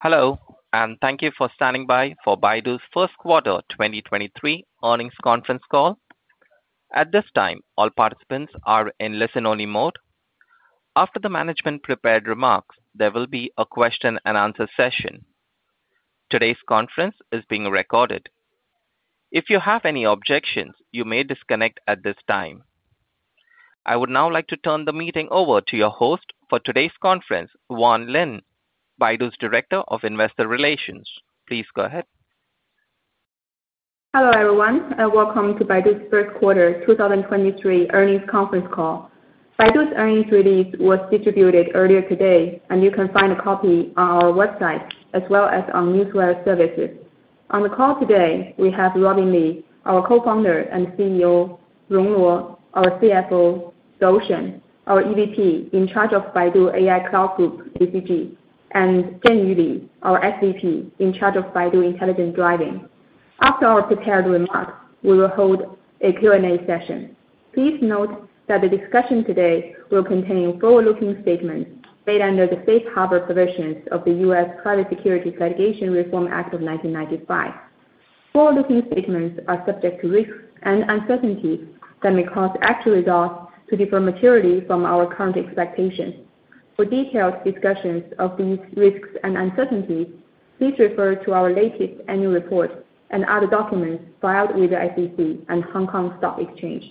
Hello, thank you for standing by for Baidu's first quarter 2023 earnings conference call. At this time, all participants are in listen-only mode. After the management prepared remarks, there will be a question and answer session. Today's conference is being recorded. If you have any objections, you may disconnect at this time. I would now like to turn the meeting over to your host for today's conference, Juan Lin, Baidu's Director of Investor Relations. Please go ahead. Hello everyone. Welcome to Baidu's 3rd quarter 2023 earnings conference call. Baidu's earnings release was distributed earlier today, and you can find a copy on our website as well as on newsletters services. On the call today, we have Robin Li, our Co-Founder and CEO, Rong Luo, our CFO, Dou Shen, our EVP in charge of Baidu AI Cloud Group, BCG, and Zhenyu Li, our SVP in charge of Baidu Intelligent Driving. After our prepared remarks, we will hold a Q&A session. Please note that the discussion today will contain forward-looking statements made under the Safe Harbor provisions of the US Private Securities Litigation Reform Act of 1995. Forward-looking statements are subject to risks and uncertainties that may cause actual results to differ materially from our current expectations. For detailed discussions of these risks and uncertainties, please refer to our latest annual report and other documents filed with the SEC and Hong Kong Stock Exchange.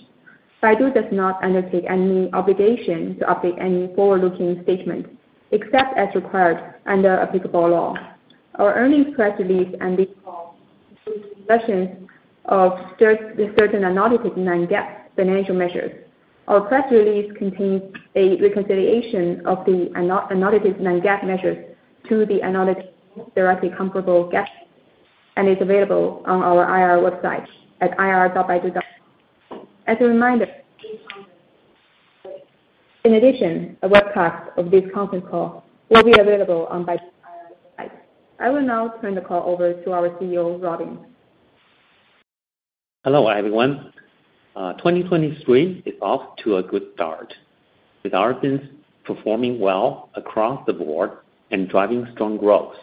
Baidu does not undertake any obligation to update any forward-looking statements except as required under applicable law. Our earnings press release and this call includes discussions of certain analytic non-GAAP financial measures. Our press release contains a reconciliation of the analytic non-GAAP measures to the analytic directly comparable GAAP and is available on our IR website at ir.baidu.com. A webcast of this conference call will be available on Baidu's IR site. I will now turn the call over to our CEO, Robin. Hello, everyone. 2023 is off to a good start, with our business performing well across the board and driving strong growth.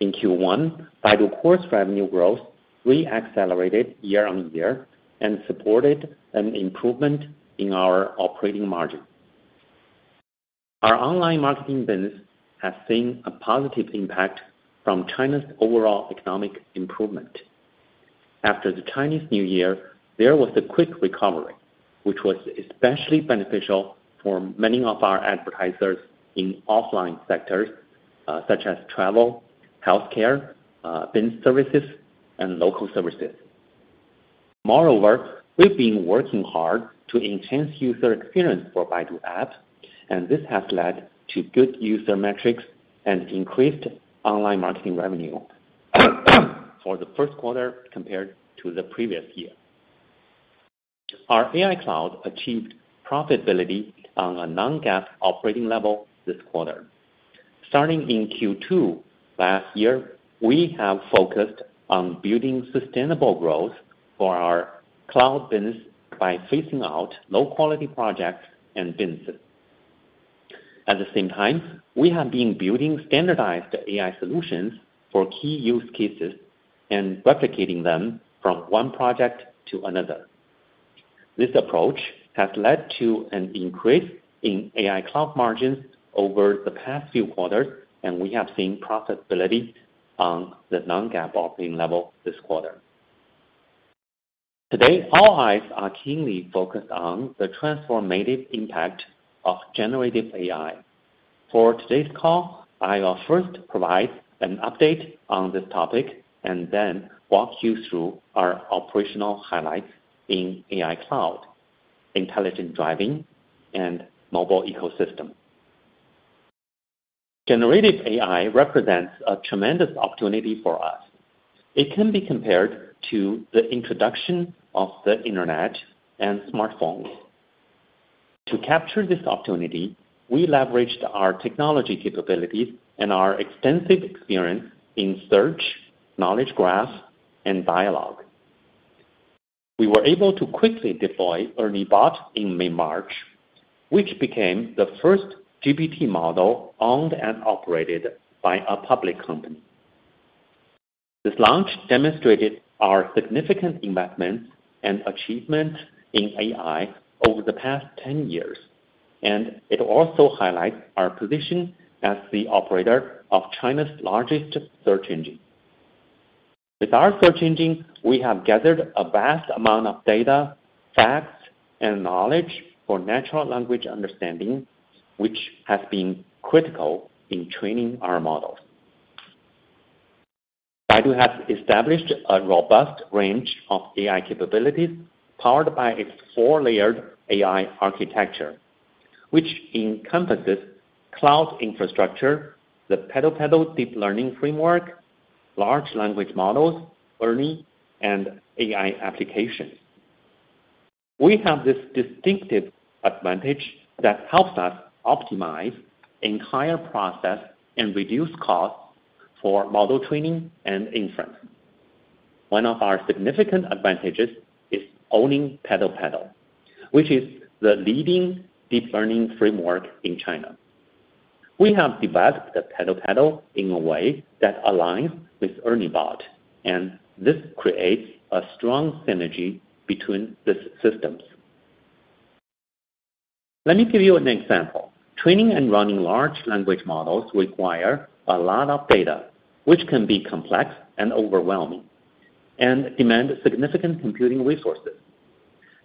In Q1, Baidu Core revenue growth re-accelerated year-on-year and supported an improvement in our operating margin. Our online marketing business has seen a positive impact from China's overall economic improvement. After the Chinese New Year, there was a quick recovery, which was especially beneficial for many of our advertisers in offline sectors, such as travel, healthcare, business services, and local services. We've been working hard to enhance user experience for Baidu apps, and this has led to good user metrics and increased online marketing revenue for the first quarter compared to the previous year. Our Baidu AI Cloud achieved profitability on a non-GAAP operating level this quarter. Starting in Q2 last year, we have focused on building sustainable growth for our cloud business by phasing out low-quality projects and businesses. At the same time, we have been building standardized AI solutions for key use cases and replicating them from one project to another. This approach has led to an increase in AI cloud margins over the past few quarters, and we have seen profitability on the non-GAAP operating level this quarter. Today, all eyes are keenly focused on the transformative impact of generative AI. For today's call, I will first provide an update on this topic and then walk you through our operational highlights in AI cloud, Intelligent Driving, and mobile ecosystem. Generative AI represents a tremendous opportunity for us. It can be compared to the introduction of the internet and smartphones. To capture this opportunity, we leveraged our technology capabilities and our extensive experience in search, knowledge graph, and dialogue. We were able to quickly deploy ERNIE Bot in mid-March, which became the first GPT model owned and operated by a public company. This launch demonstrated our significant investments and achievement in AI over the past 10 years, and it also highlights our position as the operator of China's largest search engine. With our search engine, we have gathered a vast amount of data, facts, and knowledge for natural language understanding, which has been critical in training our models. Baidu has established a robust range of AI capabilities powered by its four-layered AI architecture, which encompasses cloud infrastructure, the PaddlePaddle deep learning framework, large language models, ERNIE, and AI applications. We have this distinctive advantage that helps us optimize entire process and reduce costs for model training and inference. One of our significant advantages is owning PaddlePaddle, which is the leading deep learning framework in China. We have developed the PaddlePaddle in a way that aligns with ERNIE Bot, and this creates a strong synergy between the systems. Let me give you an example. Training and running large language models require a lot of data, which can be complex and overwhelming, and demand significant computing resources.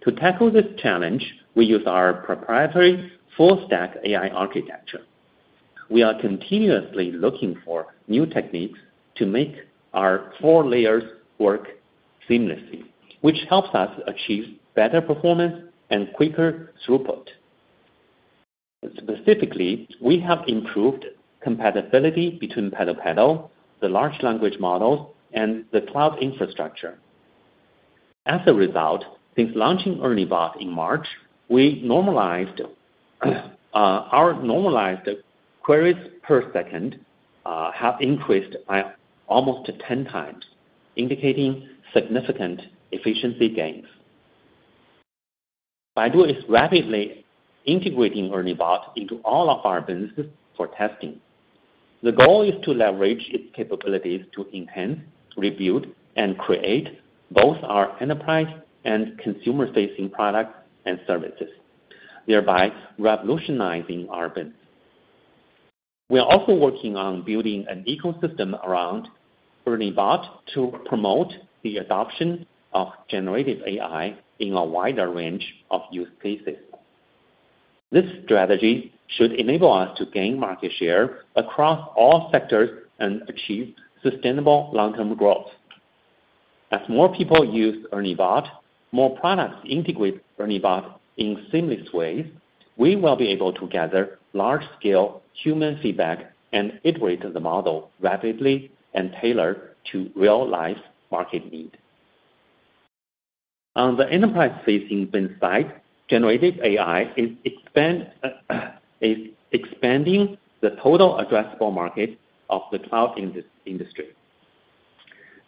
To tackle this challenge, we use our proprietary full-stack AI architecture. We are continuously looking for new techniques to make our four layers work seamlessly, which helps us achieve better performance and quicker throughput. Specifically, we have improved compatibility between PaddlePaddle, the large language models, and the cloud infrastructure. As a result, since launching Ernie Bot in March, our normalized queries per second have increased by almost 10 times, indicating significant efficiency gains. Baidu is rapidly integrating Ernie Bot into all of our businesses for testing. The goal is to leverage its capabilities to enhance, rebuild, and create both our enterprise and consumer-facing products and services, thereby revolutionizing our business. We are also working on building an ecosystem around Ernie Bot to promote the adoption of generative AI in a wider range of use cases. This strategy should enable us to gain market share across all sectors and achieve sustainable long-term growth. As more people use Ernie Bot, more products integrate Ernie Bot in seamless ways, we will be able to gather large-scale human feedback and iterate the model rapidly and tailor to real-life market need. On the enterprise-facing side, generated AI is expanding the total addressable market of the cloud industry.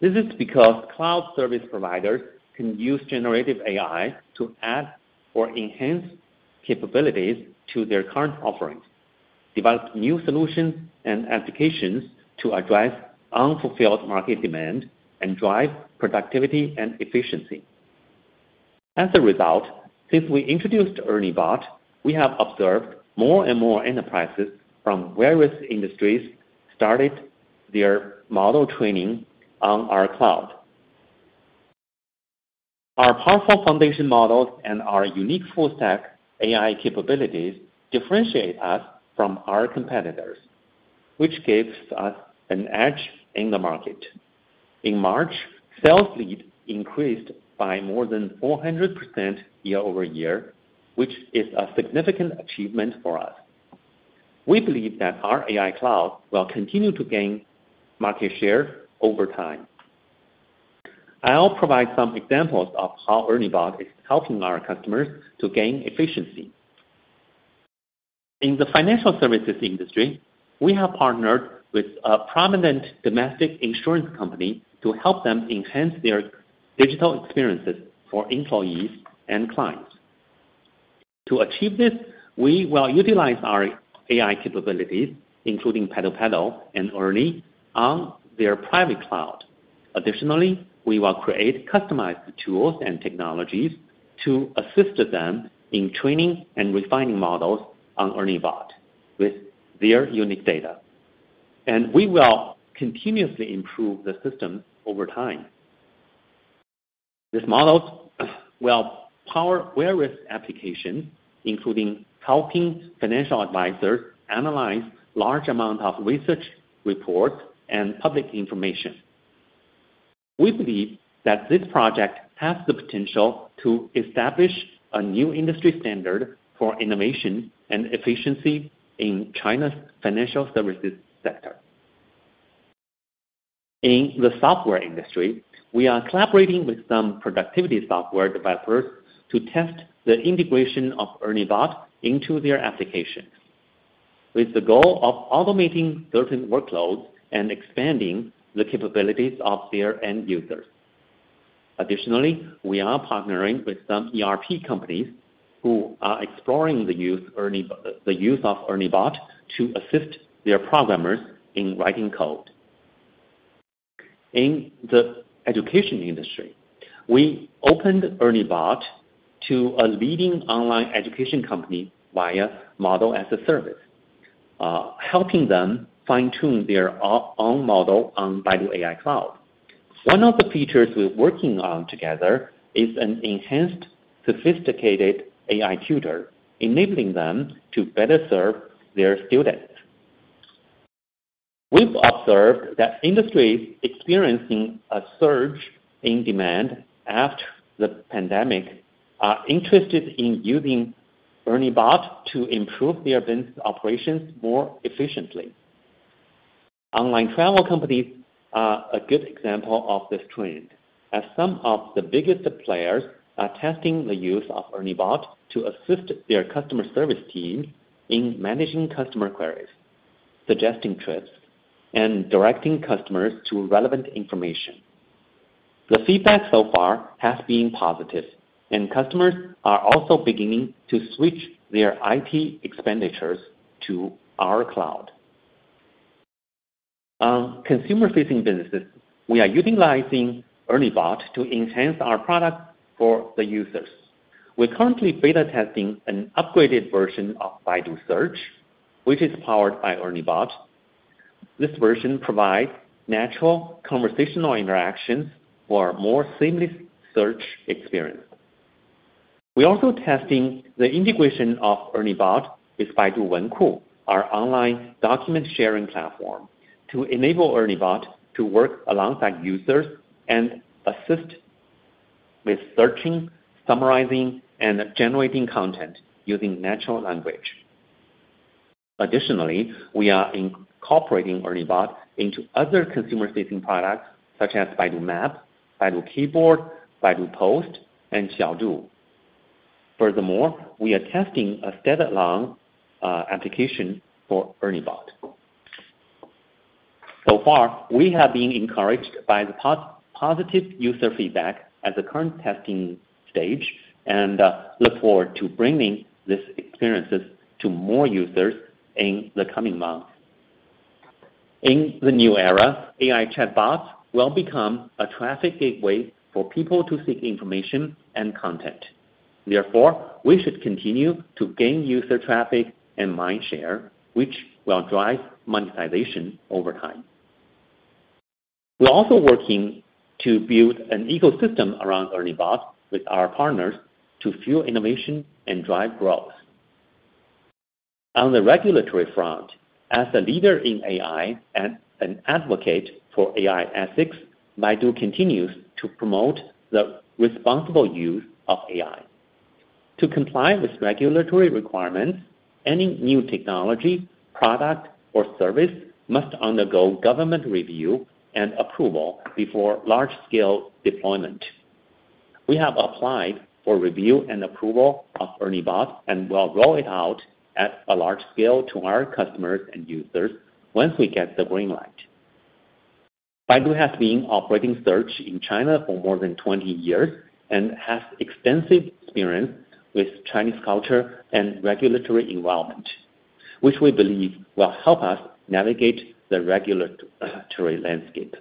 This is because cloud service providers can use generative AI to add or enhance capabilities to their current offerings, develop new solutions and applications to address unfulfilled market demand, and drive productivity and efficiency. As a result, since we introduced ERNIE Bot, we have observed more and more enterprises from various industries started their model training on our cloud. Our powerful foundation models and our unique full stack AI capabilities differentiate us from our competitors, which gives us an edge in the market. In March, sales lead increased by more than 400% year-over-year, which is a significant achievement for us. We believe that our AI cloud will continue to gain market share over time. I'll provide some examples of how ERNIE Bot is helping our customers to gain efficiency. In the financial services industry, we have partnered with a prominent domestic insurance company to help them enhance their digital experiences for employees and clients. To achieve this, we will utilize our AI capabilities, including PaddlePaddle and ERNIE, on their private cloud. Additionally, we will create customized tools and technologies to assist them in training and refining models on ERNIE Bot with their unique data, and we will continuously improve the system over time. These models will power various applications, including helping financial advisors analyze large amount of research reports and public information. We believe that this project has the potential to establish a new industry standard for innovation and efficiency in China's financial services sector. In the software industry, we are collaborating with some productivity software developers to test the integration of Ernie Bot into their applications with the goal of automating certain workloads and expanding the capabilities of their end users. Additionally, we are partnering with some ERP companies who are exploring the use of Ernie Bot to assist their programmers in writing code. In the education industry, we opened Ernie Bot to a leading online education company via Model-as-a-Service, helping them fine-tune their own model on Baidu AI Cloud. One of the features we're working on together is an enhanced, sophisticated AI tutor, enabling them to better serve their students. We've observed that industries experiencing a surge in demand after the pandemic are interested in using Ernie Bot to improve their business operations more efficiently. Online travel companies are a good example of this trend, as some of the biggest players are testing the use of ERNIE Bot to assist their customer service team in managing customer queries, suggesting trips and directing customers to relevant information. The feedback so far has been positive and customers are also beginning to switch their IT expenditures to our cloud. On consumer-facing businesses, we are utilizing ERNIE Bot to enhance our product for the users. We're currently beta testing an upgraded version of Baidu Search, which is powered by ERNIE Bot. This version provides natural conversational interactions for more seamless search experience. We're also testing the integration of ERNIE Bot with Baidu Wenku, our online document sharing platform, to enable ERNIE Bot to work alongside users and assist with searching, summarizing, and generating content using natural language. Additionally, we are incorporating ERNIE Bot into other consumer-facing products such as Baidu Maps, Baidu Keyboard, Baidu Post, and Xiaodu. Furthermore, we are testing a standalone application for ERNIE Bot. So far, we have been encouraged by the positive user feedback at the current testing stage, and look forward to bringing these experiences to more users in the coming months. In the new era, AI chatbots will become a traffic gateway for people to seek information and content. Therefore, we should continue to gain user traffic and mind share, which will drive monetization over time. We're also working to build an ecosystem around ERNIE Bot with our partners to fuel innovation and drive growth. On the regulatory front, as a leader in AI and an advocate for AI ethics, Baidu continues to promote the responsible use of AI. To comply with regulatory requirements, any new technology, product, or service must undergo government review and approval before large-scale deployment. We have applied for review and approval of ERNIE Bot and will roll it out at a large scale to our customers and users once we get the green light. Baidu has been operating Search in China for more than 20 years and has extensive experience with Chinese culture and regulatory environment, which we believe will help us navigate the regulatory landscape.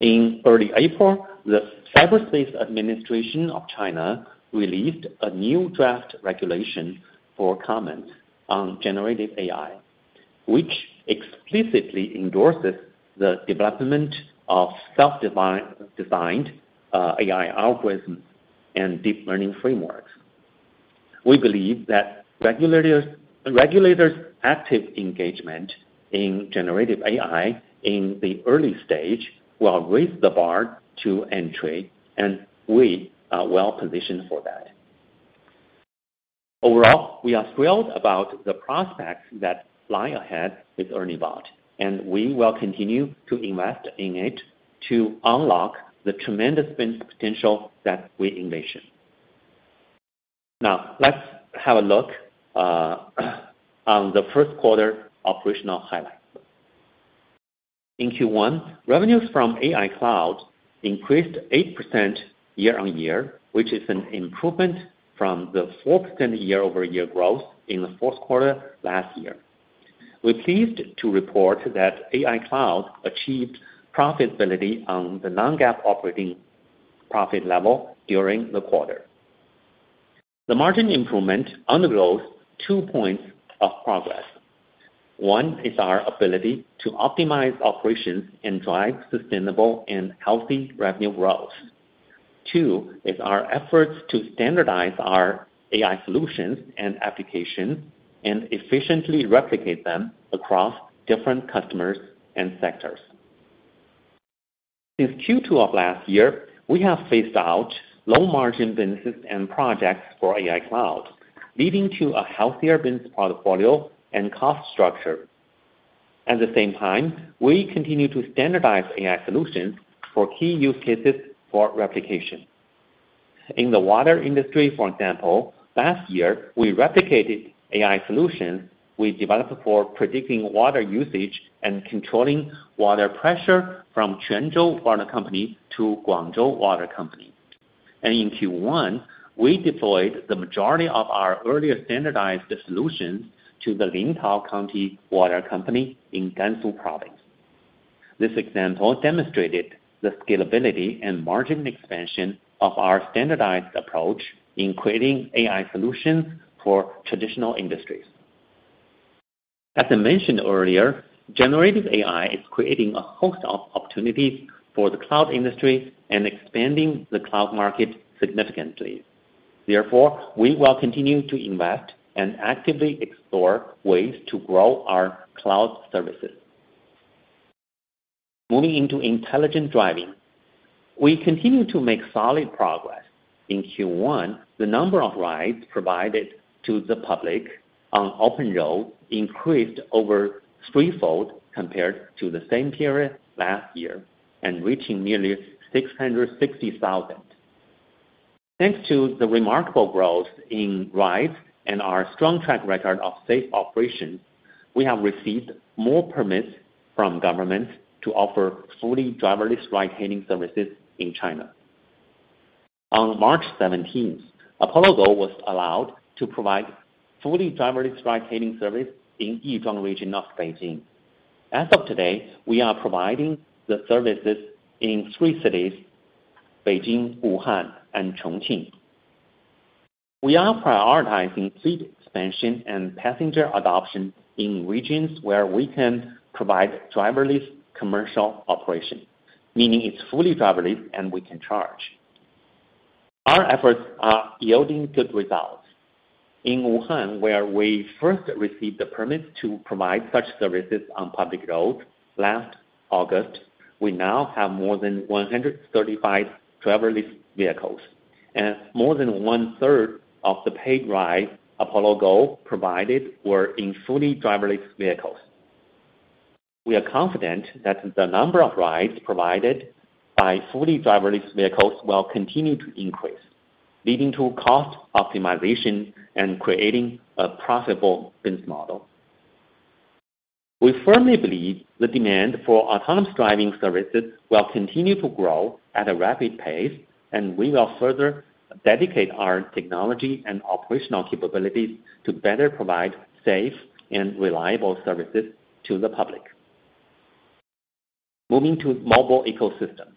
In early April, the Cyberspace Administration of China released a new draft regulation for comment on generated AI, which explicitly endorses the development of self-designed AI algorithms and deep learning frameworks. We believe that regulators' active engagement in generative AI in the early stage will raise the bar to entry, and we are well-positioned for that. Overall, we are thrilled about the prospects that lie ahead with ERNIE Bot, we will continue to invest in it to unlock the tremendous potential that we envision. Now, let's have a look on the first quarter operational highlights. In Q1, revenues from AI Cloud increased 8% year-on-year, which is an improvement from the 4% year-over-year growth in the fourth quarter last year. We're pleased to report that AI Cloud achieved profitability on the non-GAAP operating profit level during the quarter. The margin improvement undergoes two points of progress. One is our ability to optimize operations and drive sustainable and healthy revenue growth. Two is our efforts to standardize our AI solutions and applications and efficiently replicate them across different customers and sectors. Since Q2 of last year, we have phased out low-margin businesses and projects for AI Cloud, leading to a healthier business portfolio and cost structure. At the same time, we continue to standardize AI solutions for key use cases for replication. In the water industry, for example, last year, we replicated AI solutions we developed for predicting water usage and controlling water pressure from Quanzhou Water Company to Guangzhou Water Company. In Q1, we deployed the majority of our earlier standardized solutions to the Lintao County Water Company in Gansu Province. This example demonstrated the scalability and margin expansion of our standardized approach in creating AI solutions for traditional industries. As I mentioned earlier, generative AI is creating a host of opportunities for the cloud industry and expanding the cloud market significantly. Therefore, we will continue to invest and actively explore ways to grow our cloud services. Moving into intelligent driving, we continue to make solid progress. In Q1, the number of rides provided to the public on open road increased over threefold compared to the same period last year and reaching nearly 660,000. Thanks to the remarkable growth in rides and our strong track record of safe operation, we have received more permits from government to offer fully driverless ride-hailing services in China. On March 17th, Apollo Go was allowed to provide fully driverless ride-hailing service in Yizhuang region of Beijing. As of today, we are providing the services in three cities, Beijing, Wuhan, and Chongqing. We are prioritizing fleet expansion and passenger adoption in regions where we can provide driverless commercial operation, meaning it's fully driverless, and we can charge. Our efforts are yielding good results. In Wuhan, where we first received the permits to provide such services on public roads last August, we now have more than 135 driverless vehicles, and more than one-third of the paid rides Apollo Go provided were in fully driverless vehicles. We are confident that the number of rides provided by fully driverless vehicles will continue to increase, leading to cost optimization and creating a profitable business model. We firmly believe the demand for autonomous driving services will continue to grow at a rapid pace. We will further dedicate our technology and operational capabilities to better provide safe and reliable services to the public. Moving to mobile ecosystem.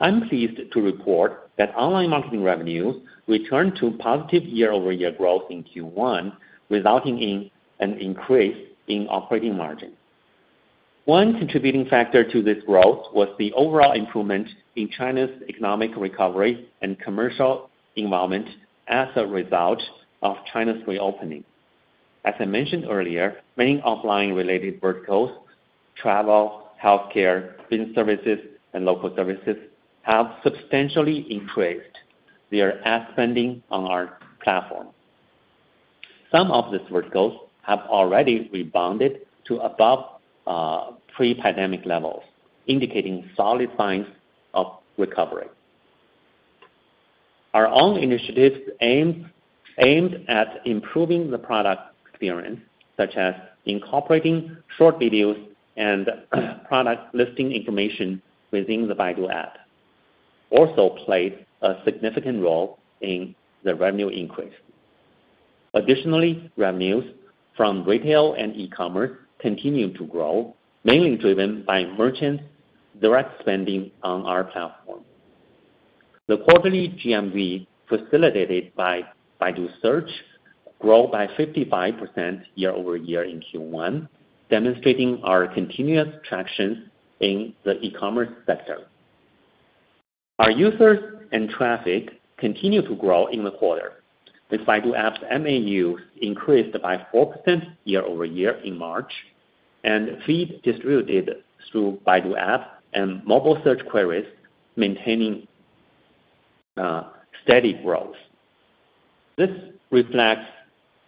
I'm pleased to report that online marketing revenue returned to positive year-over-year growth in Q1, resulting in an increase in operating margin. One contributing factor to this growth was the overall improvement in China's economic recovery and commercial environment as a result of China's reopening. As I mentioned earlier, many offline related verticals, travel, healthcare, business services, and local services have substantially increased their ad spending on our platform. Some of these verticals have already rebounded to above pre-pandemic levels, indicating solid signs of recovery. Our own initiatives aimed at improving the product experience, such as incorporating short videos and product listing information within the Baidu App, also played a significant role in the revenue increase. Additionally, revenues from retail and e-commerce continued to grow, mainly driven by merchants' direct spending on our platform. The quarterly GMV facilitated by Baidu Search grew by 55% year-over-year in Q1, demonstrating our continuous traction in the e-commerce sector. Our users and traffic continued to grow in the quarter, with Baidu App's MAU increased by 4% year-over-year in March, and feed distributed through Baidu App and mobile search queries maintaining steady growth. This reflects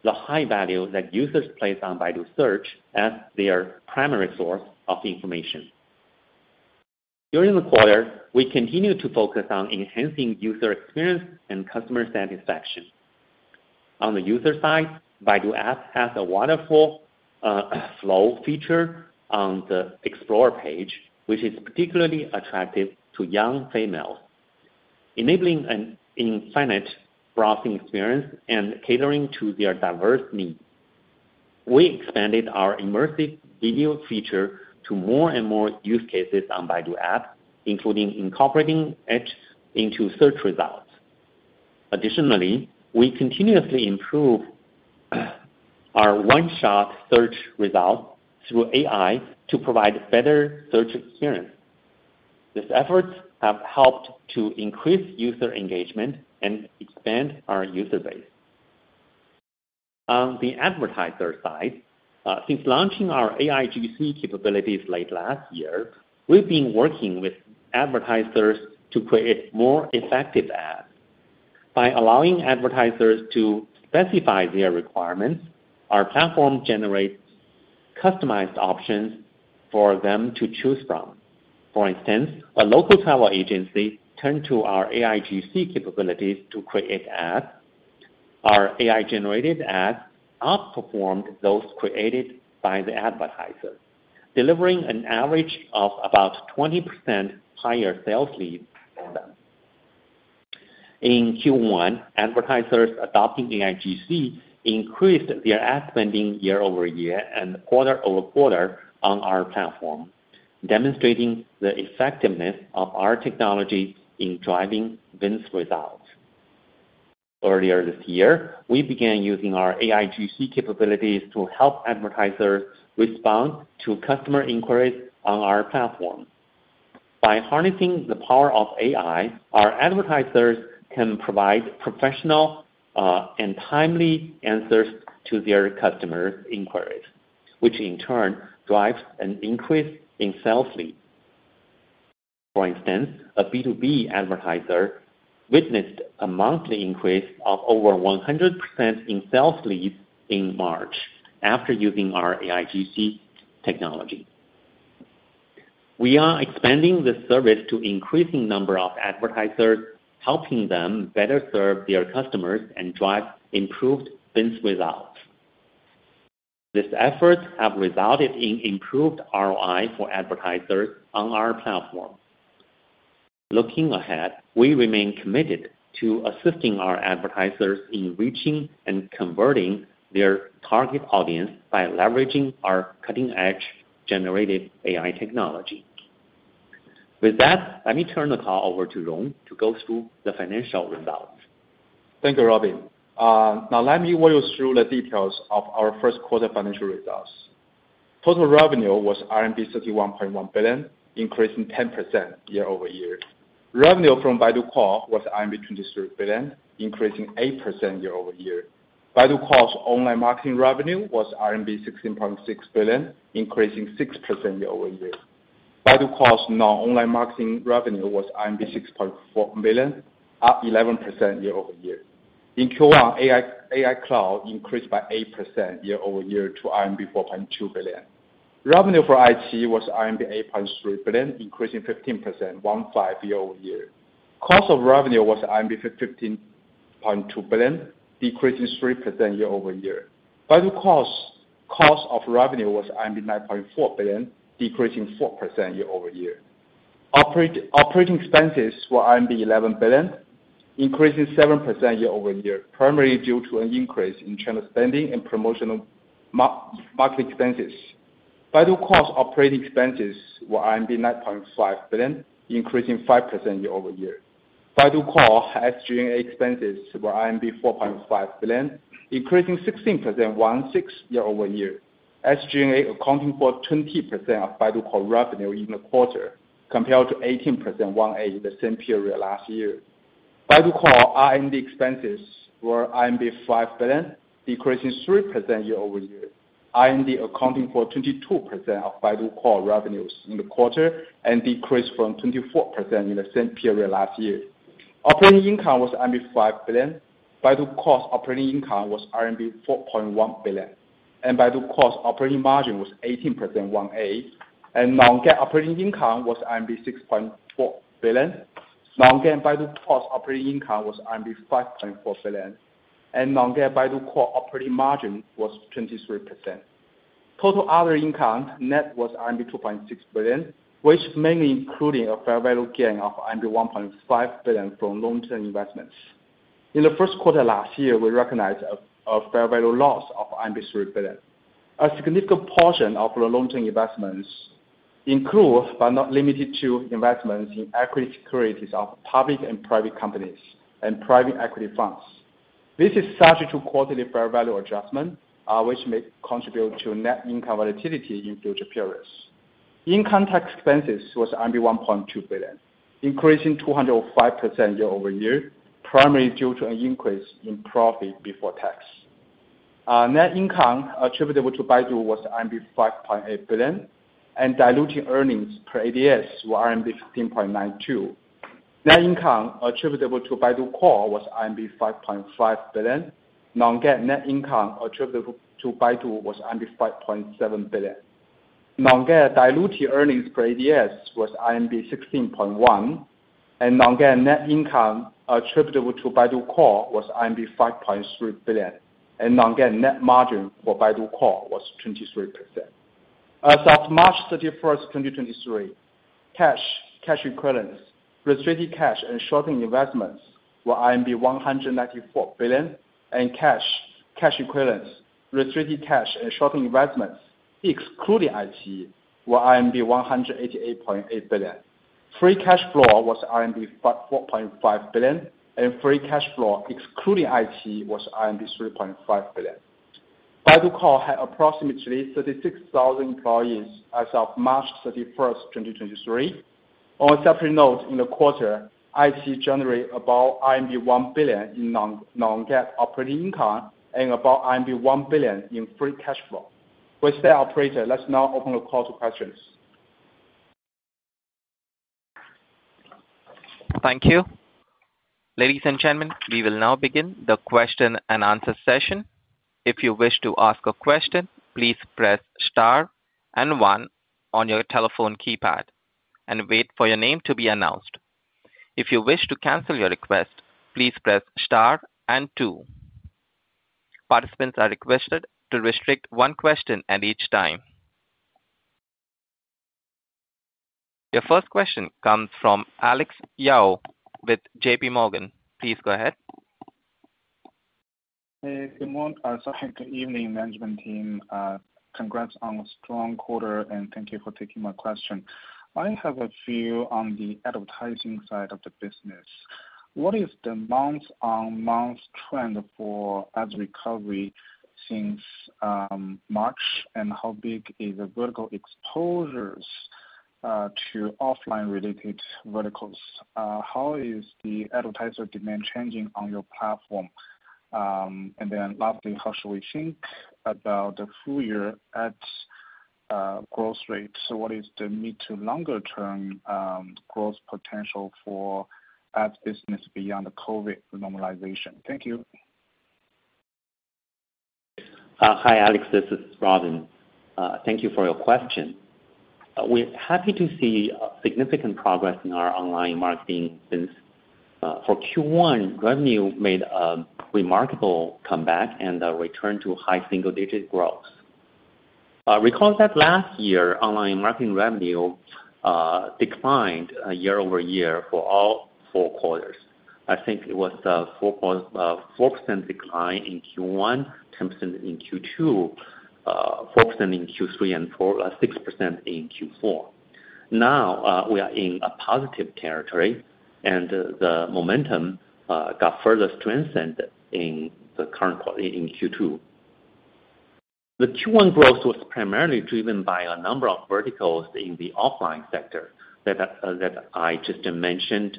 the high value that users place on Baidu Search as their primary source of information. During the quarter, we continued to focus on enhancing user experience and customer satisfaction. On the user side, Baidu App has a wonderful flow feature on the Explore page, which is particularly attractive to young females, enabling an infinite browsing experience and catering to their diverse needs. We expanded our immersive video feature to more and more use cases on Baidu App, including incorporating it into search results. Additionally, we continuously improve our one-shot search results through AI to provide better search experience. These efforts have helped to increase user engagement and expand our user base. On the advertiser side, since launching our AIGC capabilities late last year, we've been working with advertisers to create more effective ads. By allowing advertisers to specify their requirements, our platform generates customized options for them to choose from. For instance, a local travel agency turned to our AIGC capabilities to create ads. Our AI-generated ads outperformed those created by the advertisers, delivering an average of about 20% higher sales leads for them. In Q1, advertisers adopting AIGC increased their ad spending year-over-year and quarter-over-quarter on our platform, demonstrating the effectiveness of our technologies in driving business results. Earlier this year, we began using our AIGC capabilities to help advertisers respond to customer inquiries on our platform. By harnessing the power of AI, our advertisers can provide professional and timely answers to their customers' inquiries, which in turn drives an increase in sales leads. For instance, a B2B advertiser witnessed a monthly increase of over 100% in sales leads in March after using our AIGC technology. We are expanding the service to increasing number of advertisers, helping them better serve their customers and drive improved business results. These efforts have resulted in improved ROI for advertisers on our platform. Looking ahead, we remain committed to assisting our advertisers in reaching and converting their target audience by leveraging our cutting-edge generated AI technology. With that, let me turn the call over to Rong to go through the financial results. Thank you, Robin. Now let me walk you through the details of our first quarter financial results. Total revenue was RMB 31.1 billion, increasing 10% year-over-year. Revenue from Baidu Core was RMB 23 billion, increasing 8% year-over-year. Baidu Core's online marketing revenue was RMB 16.6 billion, increasing 6% year-over-year. Baidu Core's non-online marketing revenue was 6.4 billion, up 11% year-over-year. In Q1, AI Cloud increased by 8% year-over-year to RMB 4.2 billion. Revenue for iQIYI was RMB 8.3 billion, increasing 15% one five year-over-year. Cost of revenue was RMB 15.2 billion, decreasing 3% year-over-year. Baidu Core's cost of revenue was RMB 9.4 billion, decreasing 4% year-over-year. Operating expenses were RMB 11 billion, increasing 7% year-over-year, primarily due to an increase in channel spending and promotional market expenses. Baidu Core's operating expenses were 9.5 billion, increasing 5% year-over-year. Baidu Core SG&A expenses were RMB 4.5 billion, increasing 16% one six year-over-year. SG&A accounting for 20% of Baidu Core revenue in the quarter, compared to 18% one eight the same period last year. Baidu Core R&D expenses were 5 billion, decreasing 3% year-over-year. R&D accounting for 22% of Baidu Core revenues in the quarter, decreased from 24% in the same period last year. Operating income was RMB 5 billion. Baidu Core's operating income was RMB 4.1 billion, Baidu Core's operating margin was 18% one eight. Non-GAAP operating income was RMB 6.4 billion. Non-GAAP Baidu Core's operating income was RMB 5.4 billion. Non-GAAP Baidu Core operating margin was 23%. Total other income net was RMB 2.6 billion, which mainly including a fair value gain of RMB 1.5 billion from long-term investments. In the first quarter last year, we recognized a fair value loss of 3 billion. A significant portion of our long-term investments include, but not limited to, investments in equity securities of public and private companies and private equity funds. This is subject to quarterly fair value adjustment, which may contribute to net income volatility in future periods. Income tax expenses was 1.2 billion, increasing 205% year-over-year, primarily due to an increase in profit before tax. Net income attributable to Baidu was RMB 5.8 billion, diluting earnings per ADS were RMB 15.92. Net income attributable to Baidu Core was RMB 5.5 billion. Non-GAAP net income attributable to Baidu was RMB 5.7 billion. Non-GAAP diluted earnings per ADS was RMB 16.1. Non-GAAP net income attributable to Baidu Core was 5.3 billion. Non-GAAP net margin for Baidu Core was 23%. As of March 31, 2023, cash equivalents, restricted cash and short-term investments were 194 billion. Cash, cash equivalents, restricted cash and short-term investments excluding IC were RMB 188.8 billion. Free cash flow was RMB 4.5 billion, free cash flow excluding IC was RMB 3.5 billion. Baidu Core had approximately 36,000 employees as of March 31st, 2023. On a separate note, in the quarter, iQIYI generate about 1 billion in non-GAAP operating income and about 1 billion in free cash flow. With that, operator, let's now open the call to questions. Thank you. Ladies and gentlemen, we will now begin the question and answer session. If you wish to ask a question, please press star one on your telephone keypad and wait for your name to be announced. If you wish to cancel your request, please press star two. Participants are requested to restrict 1 question at each time. Your first question comes from Alex Yao with JPMorgan. Please go ahead. Hey, sorry, good evening, management team. Congrats on a strong quarter, and thank you for taking my question. I have a few on the advertising side of the business. What is the month-on-month trend for ads recovery since March? How big is the vertical exposures to offline related verticals? How is the advertiser demand changing on your platform? Lastly, how should we think about the full year ads growth rate? What is the mid to longer term growth potential for ads business beyond the COVID normalization? Thank you. Hi, Alex, this is Robin. Thank you for your question. We're happy to see significant progress in our online marketing business. For Q1, revenue made a remarkable comeback and a return to high single-digit growth. Recall that last year online marketing revenue declined year-over-year for all four quarters. I think it was 4% decline in Q1, 10% in Q2, 4% in Q3, and 6% in Q4. Now, we are in a positive territory, and the momentum got further strengthened in Q2. The Q1 growth was primarily driven by a number of verticals in the offline sector that I just mentioned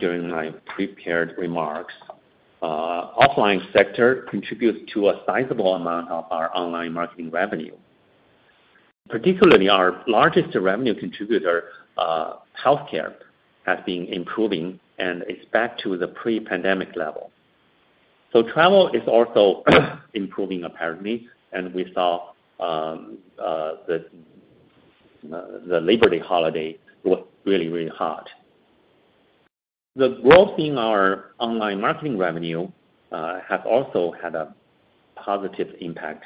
during my prepared remarks. Offline sector contributes to a sizable amount of our online marketing revenue. Particularly, our largest revenue contributor, healthcare, has been improving and is back to the pre-pandemic level. Travel is also improving apparently, and we saw the Labor Day holiday was really, really hot. The growth in our online marketing revenue has also had a positive impact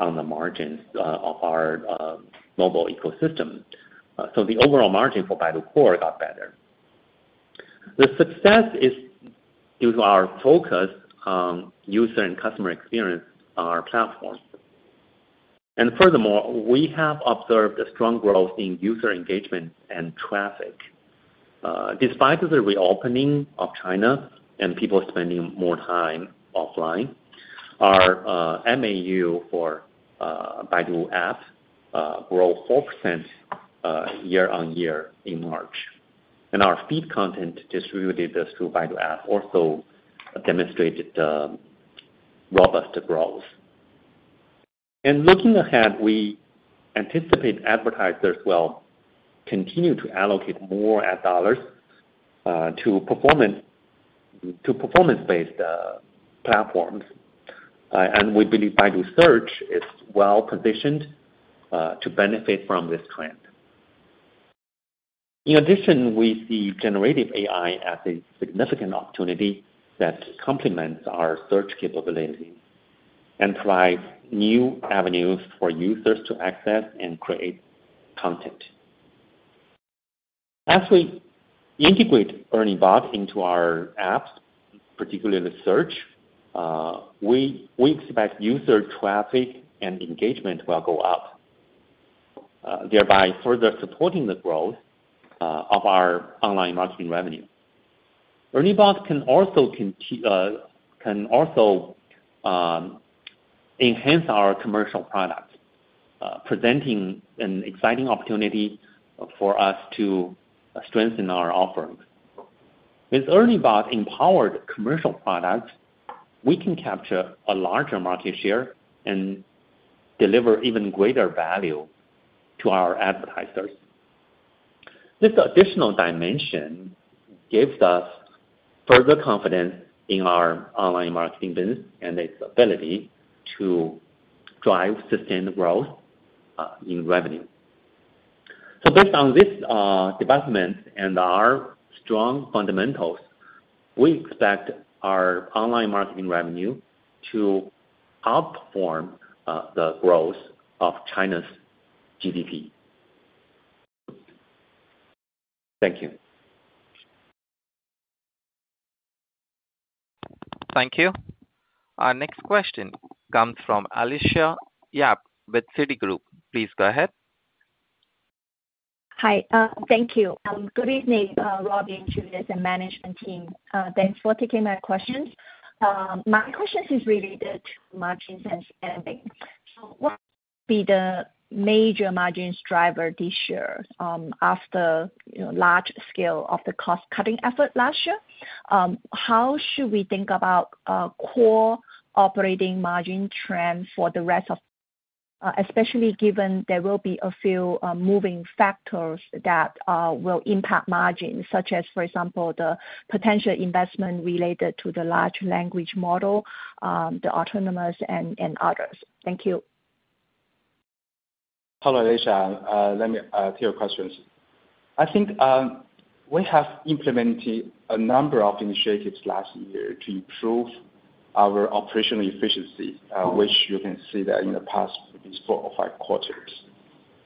on the margins of our mobile ecosystem. The overall margin for Baidu Core got better. The success is due to our focus on user and customer experience on our platform. Furthermore, we have observed a strong growth in user engagement and traffic. Despite the reopening of China and people spending more time offline, our MAU for Baidu App grew 4% year-over-year in March. Our feed content distributed through Baidu App also demonstrated robust growth. Looking ahead, we anticipate advertisers will continue to allocate more ad dollars to performance-based platforms. We believe Baidu Search is well-positioned to benefit from this trend. In addition, we see generative AI as a significant opportunity that complements our search capability and drives new avenues for users to access and create content. As we integrate ERNIE Bot into our apps, particularly the search, we expect user traffic and engagement will go up, thereby further supporting the growth of our online marketing revenue. ERNIE Bot can also enhance our commercial products, presenting an exciting opportunity for us to strengthen our offerings. With ERNIE Bot-empowered commercial products, we can capture a larger market share and deliver even greater value to our advertisers. This additional dimension gives us further confidence in our online marketing business and its ability to drive sustained growth in revenue. Based on this development and our strong fundamentals, we expect our online marketing revenue to outperform the growth of China's GDP. Thank you. Thank you. Our next question comes from Alicia Yap with Citigroup. Please go ahead. Hi. Thank you. Good evening, Robin, Julius, and management team. Thanks for taking my questions. My question is related to margins and spending. What will be the major margins driver this year, after, you know, large scale of the cost-cutting effort last year? How should we think about core operating margin trend for the rest of especially given there will be a few moving factors that will impact margins such as, for example, the potential investment related to the large language model, the autonomous and others. Thank you. Hello, Alicia Yap. Let me take your questions. I think, we have implemented a number of initiatives last year to improve our operational efficiency, which you can see that in the past, at least four or five quarters.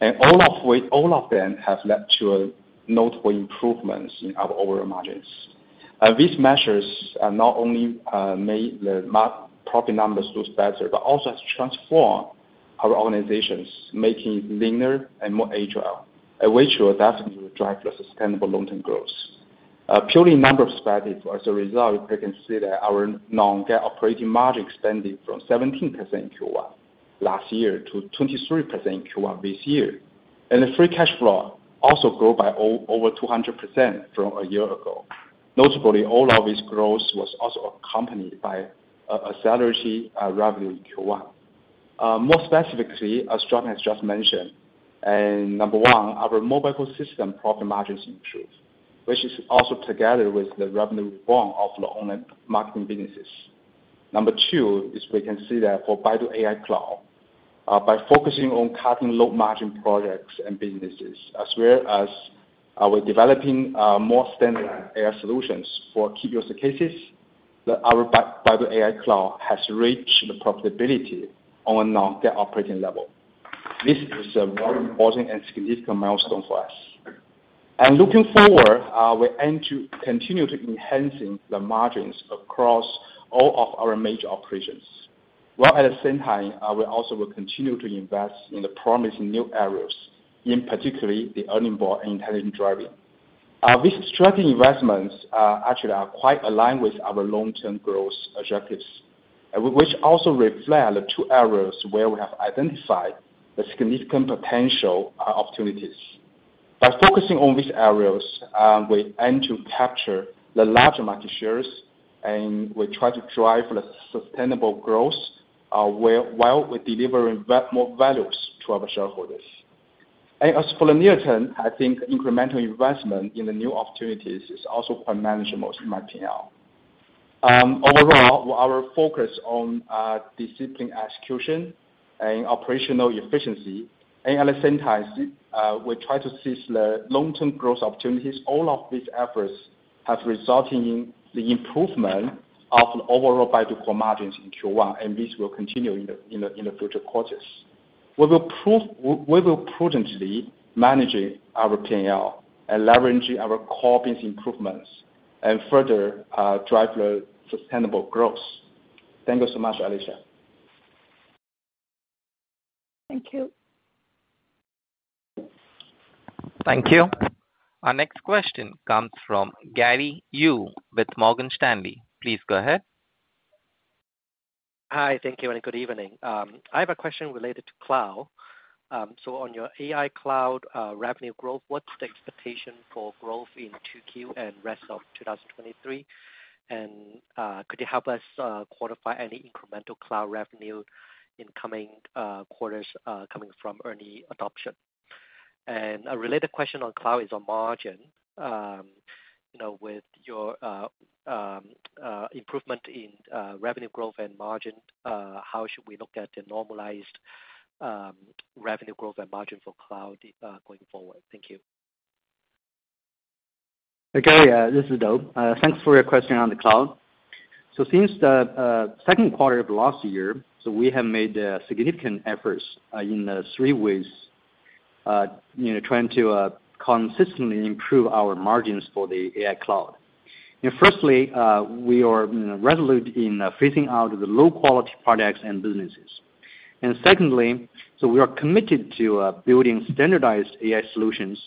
All of them have led to notable improvements in our overall margins. These measures, not only made the profit numbers look better, but also has transformed our organizations, making it leaner and more agile, which will definitely drive the sustainable long-term growth. Purely numbers perspective, as a result, we can see that our non-GAAP operating margin expanded from 17% in Q1 last year to 23% in Q1 this year. The free cash flow also grow by over 200% from a year ago. Notably, all of this growth was also accompanied by a salary revenue in Q1. More specifically, as John has just mentioned, number one, our mobile ecosystem profit margins improved, which is also together with the revenue reform of the online marketing businesses. Number two is we can see that for Baidu AI Cloud, by focusing on cutting low margin products and businesses, as well as our developing more standard AI solutions for key user cases, that our Baidu AI Cloud has reached the profitability on a non-GAAP operating level. This is a very important and significant milestone for us. Looking forward, we aim to continue to enhancing the margins across all of our major operations, while at the same time, we also will continue to invest in the promising new areas, in particularly the ERNIE Bot and intelligent driving. These strategic investments, actually are quite aligned with our long-term growth objectives, which also reflect the two areas where we have identified the significant potential opportunities. By focusing on these areas, we aim to capture the larger market shares, and we try to drive the sustainable growth, while we're delivering more values to our shareholders. As for the near term, I think incremental investment in the new opportunities is also quite manageable to my P&L. Overall, our focus on disciplined execution and operational efficiency, and at the same time, we try to seize the long-term growth opportunities, all of these efforts have resulted in the improvement of the overall Baidu Core margins in Q1, and this will continue in the future quarters. We will prudently managing our P&L and leveraging our core business improvements and further drive the sustainable growth. Thank you so much, Alicia. Thank you. Thank you. Our next question comes from Gary Yu with Morgan Stanley. Please go ahead. Hi. Thank you, and good evening. I have a question related to cloud. So on your AI Cloud revenue growth, what's the expectation for growth in 2Q and rest of 2023? Could you help us quantify any incremental cloud revenue in coming quarters coming from ERNIE Adoption? A related question on cloud is on margin. You know, with your improvement in revenue growth and margin, how should we look at the normalized revenue growth and margin for cloud going forward? Thank you. Okay. This is Dou. Thanks for your question on the cloud. Since the second quarter of last year, we have made significant efforts in the three ways, you know, trying to consistently improve our margins for the AI cloud. You know, firstly, we are, you know, resolute in phasing out the low quality products and businesses. Secondly, we are committed to building standardized AI solutions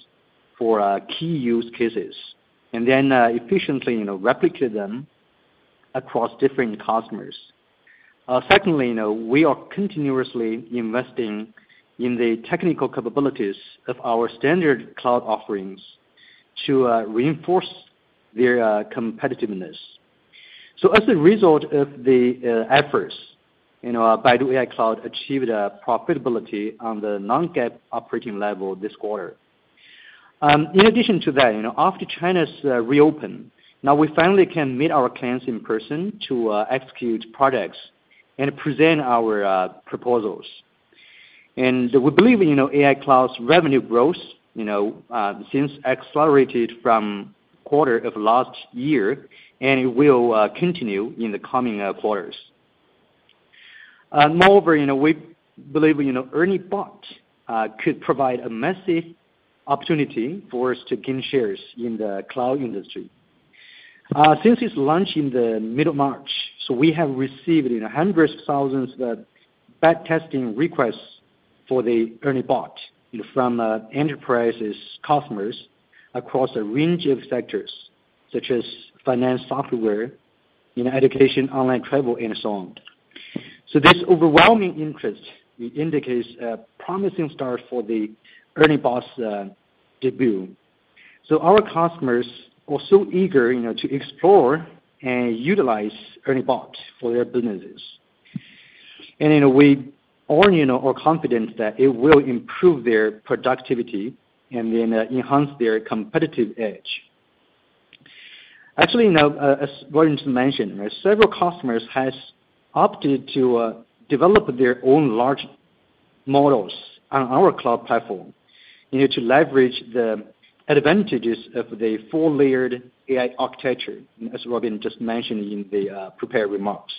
for key use cases, and then efficiently, you know, replicate them across different customers. Secondly, you know, we are continuously investing in the technical capabilities of our standard cloud offerings to reinforce their competitiveness. As a result of the efforts, you know, Baidu AI Cloud achieved a profitability on the non-GAAP operating level this quarter. In addition to that, you know, after China's reopen, now we finally can meet our clients in person to execute products and present our proposals. We believe, you know, AI Cloud's revenue growth, you know, since accelerated from quarter of last year, and it will continue in the coming quarters. Moreover, you know, we believe, you know, ERNIE Bot could provide a massive opportunity for us to gain shares in the cloud industry. Since its launch in the middle of March, we have received, you know, hundreds thousands of back testing requests for the ERNIE Bot from enterprises customers across a range of sectors, such as finance software, you know, education, online travel and so on. This overwhelming interest indicates a promising start for the ERNIE Bot's debut. Our customers are so eager, you know, to explore and utilize ERNIE Bot for their businesses. You know, we all, you know, are confident that it will improve their productivity and then enhance their competitive edge. Actually, you know, as Robin just mentioned, several customers has opted to develop their own large models on our cloud platform, you know, to leverage the advantages of the four-layered AI architecture, as Robin just mentioned in the prepared remarks.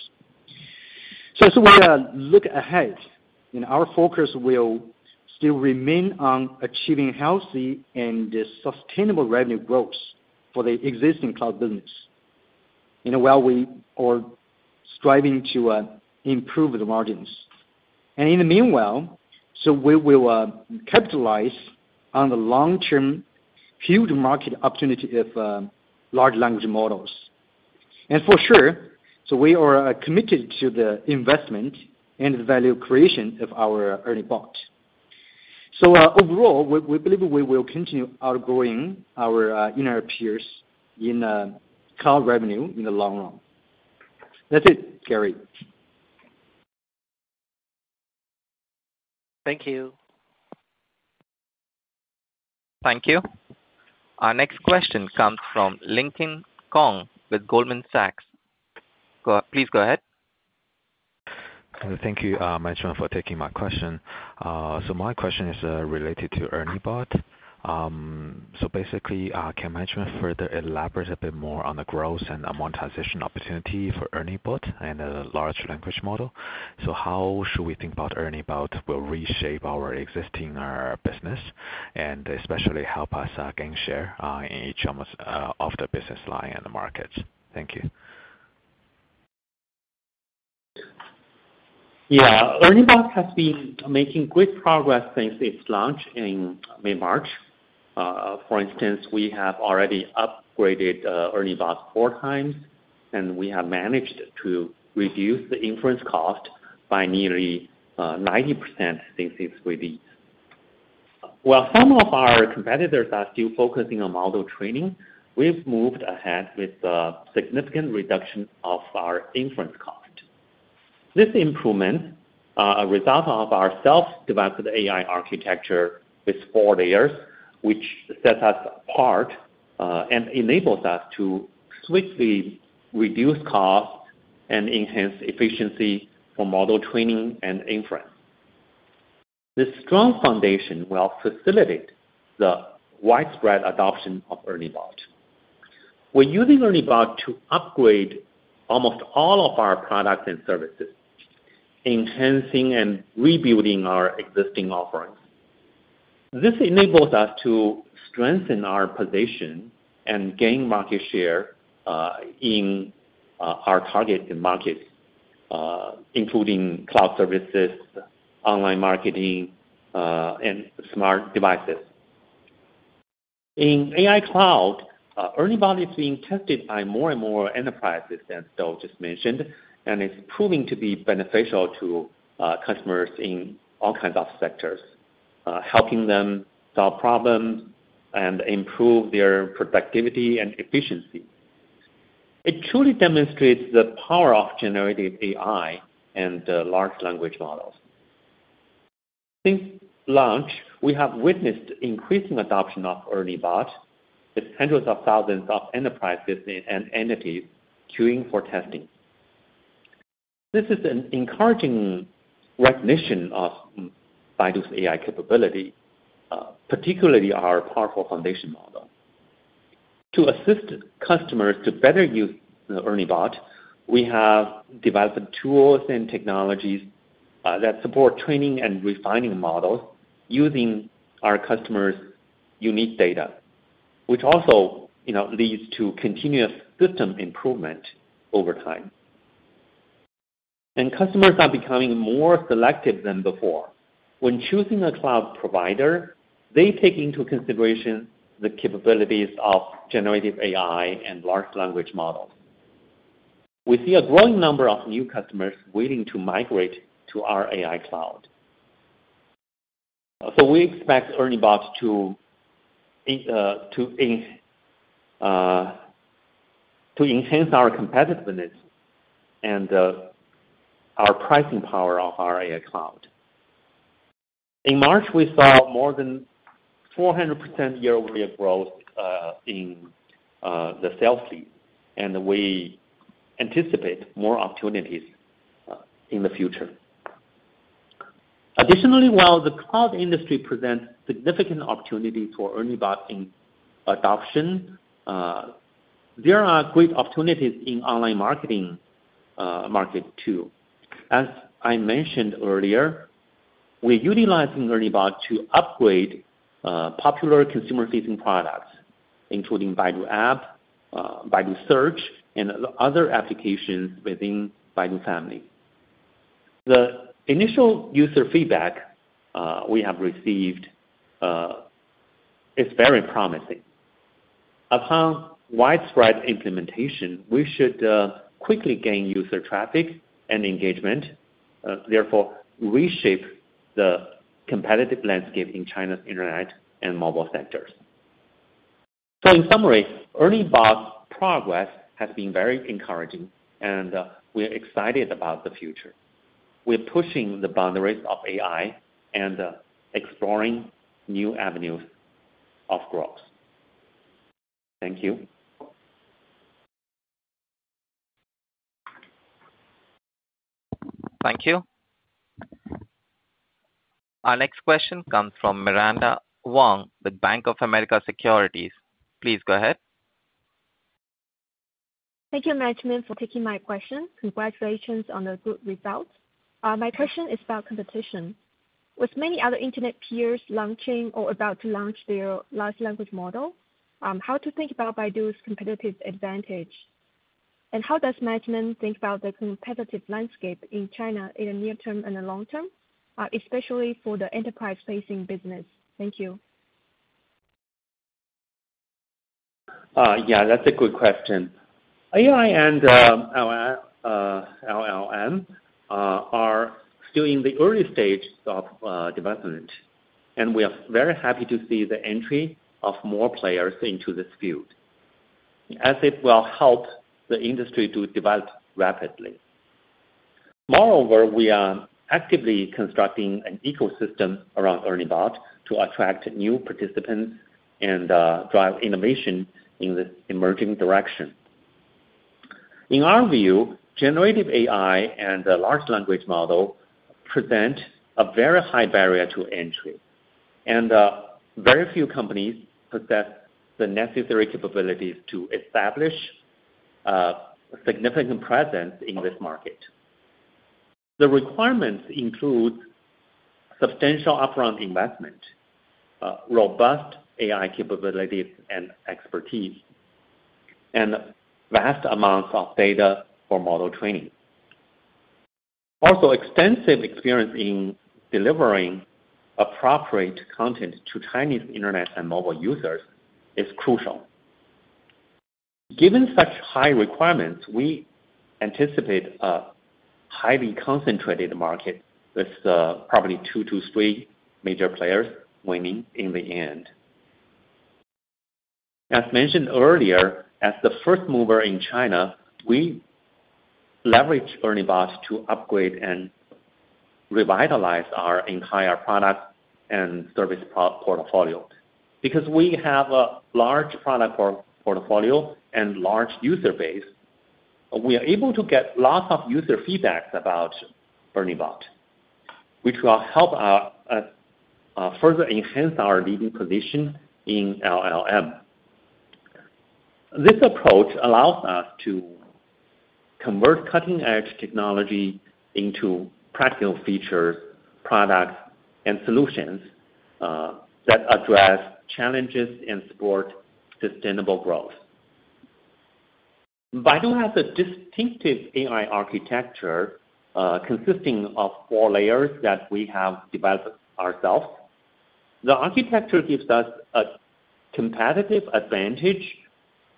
As we look ahead and our focus will still remain on achieving healthy and sustainable revenue growth for the existing cloud business. You know, while we are striving to improve the margins. In the meanwhile, we will capitalize on the long-term huge market opportunity of large language models. For sure, we are committed to the investment and the value creation of our ERNIE Bot. Overall, we believe we will continue outgrowing our peers in cloud revenue in the long run. That's it, Gary. Thank you. Thank you. Our next question comes from Lincoln Kong with Goldman Sachs. Please go ahead. Thank you, management, for taking my question. My question is, related to ERNIE Bot. Basically, can management further elaborate a bit more on the growth and amortization opportunity for ERNIE Bot and the large language model? How should we think about ERNIE Bot will reshape our existing business and especially help us gain share in each of us of the business line and the markets? Thank you. Yeah. ERNIE Bot has been making great progress since its launch in March. For instance, we have already upgraded ERNIE Bot 4x, and we have managed to reduce the inference cost by nearly 90% since its release. While some of our competitors are still focusing on model training, we've moved ahead with significant reduction of our inference cost. This improvement, a result of our self-developed AI architecture with four layers, which sets us apart and enables us to swiftly reduce costs and enhance efficiency for model training and inference. This strong foundation will facilitate the widespread adoption of ERNIE Bot. We're using ERNIE Bot to upgrade almost all of our products and services, enhancing and rebuilding our existing offerings. This enables us to strengthen our position and gain market share in our targeted markets, including cloud services, online marketing, and smart devices. In Baidu AI Cloud, ERNIE Bot is being tested by more and more enterprises, as Dou just mentioned, and it's proving to be beneficial to customers in all kinds of sectors, helping them solve problems and improve their productivity and efficiency. It truly demonstrates the power of generative AI and the large language models. Since launch, we have witnessed increasing adoption of ERNIE Bot, with hundreds of thousands of enterprises and entities queuing for testing. This is an encouraging recognition of Baidu's AI capability, particularly our powerful foundation model. To assist customers to better use the ERNIE Bot, we have developed tools and technologies that support training and refining models using our customers' unique data, which also, you know, leads to continuous system improvement over time. Customers are becoming more selective than before. When choosing a cloud provider, they take into consideration the capabilities of generative AI and large language models. We see a growing number of new customers willing to migrate to our AI Cloud. We expect ERNIE Bot to enhance our competitiveness and our pricing power of our AI Cloud. In March, we saw more than 400% year-over-year growth in the sales team, and we anticipate more opportunities in the future. Additionally, while the cloud industry presents significant opportunities for ERNIE Bot in adoption, there are great opportunities in online marketing, market too. As I mentioned earlier, we're utilizing ERNIE Bot to upgrade popular consumer-facing products, including Baidu App, Baidu Search, and other applications within Baidu family. The initial user feedback we have received is very promising. Upon widespread implementation, we should quickly gain user traffic and engagement, therefore reshape the competitive landscape in China's internet and mobile sectors. In summary, ERNIE Bot's progress has been very encouraging, and we're excited about the future. We're pushing the boundaries of AI and exploring new avenues of growth. Thank you. Thank you. Our next question comes from Miranda Zhuang with Bank of America Securities. Please go ahead. Thank you, management, for taking my question. Congratulations on the good results. My question is about competition. With many other internet peers launching or about to launch their large language model, how to think about Baidu's competitive advantage? How does management think about the competitive landscape in China in the near term and the long term, especially for the enterprise-facing business? Thank you. Yeah, that's a good question. AI and LLM are still in the early stages of development, and we are very happy to see the entry of more players into this field, as it will help the industry to develop rapidly. Moreover, we are actively constructing an ecosystem around ERNIE Bot to attract new participants and drive innovation in this emerging direction. In our view, generative AI and the large language model present a very high barrier to entry. Very few companies possess the necessary capabilities to establish significant presence in this market. The requirements include substantial upfront investment, robust AI capabilities and expertise, and vast amounts of data for model training. Also, extensive experience in delivering appropriate content to Chinese internet and mobile users is crucial. Given such high requirements, we anticipate a highly concentrated market with probably two to three major players winning in the end. As mentioned earlier, as the first mover in China, we leverage ERNIE Bot to upgrade and revitalize our entire product and service portfolio. Because we have a large product portfolio and large user base, we are able to get lots of user feedbacks about ERNIE Bot, which will help us further enhance our leading position in LLM. This approach allows us to convert cutting-edge technology into practical features, products and solutions that address challenges and support sustainable growth. Baidu has a distinctive AI architecture consisting of four layers that we have developed ourselves. The architecture gives us a competitive advantage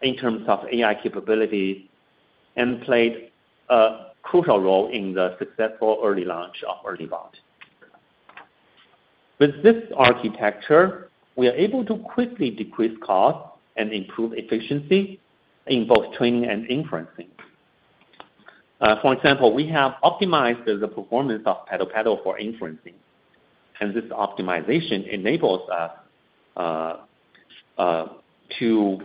in terms of AI capabilities and played a crucial role in the successful early launch of ERNIE Bot. With this architecture, we are able to quickly decrease costs and improve efficiency in both training and inferencing. For example, we have optimized the performance of PaddlePaddle for inferencing, and this optimization enables us to